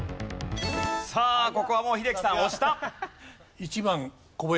さあここはもう英樹さん押した。